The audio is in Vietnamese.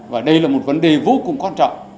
và đây là một vấn đề vô cùng quan trọng